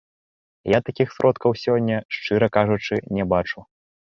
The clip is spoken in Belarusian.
Я такіх сродкаў сёння, шчыра кажучы, не бачу.